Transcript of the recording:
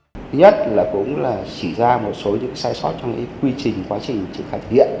thứ nhất là cũng là chỉ ra một số những sai sót trong quy trình quá trình triển khai thực hiện